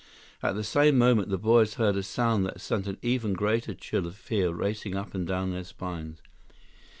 At the same moment, the boys heard a sound that sent an even greater chill of fear racing up and down their spines.